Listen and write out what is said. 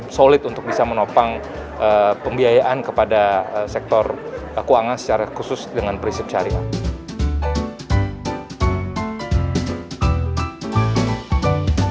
solid untuk bisa menopang pembiayaan kepada sektor keuangan secara khusus dengan prinsip syariah